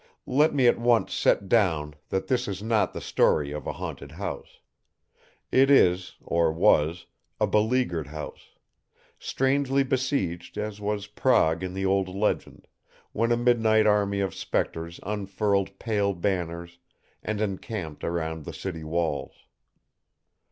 Let me at once set down that this is not the story of a haunted house. It is, or was, a beleaguered house; strangely besieged as was Prague in the old legend, when a midnight army of spectres unfurled pale banners and encamped around the city walls.